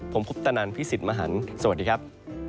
ผมคุปตนันพี่สิทธิ์มหันฯสวัสดีครับ